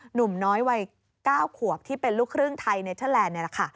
หนุ่มน้อยวัย๙ขวบที่เป็นลูกครึ่งไทยเนเทอร์แลนด์